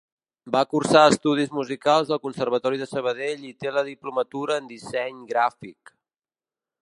Va cursar estudis musicals al Conservatori de Sabadell i té la diplomatura en Disseny Gràfic.